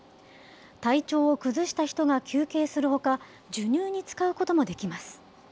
体調を崩した人が休憩するほか、授乳に使うこともできます。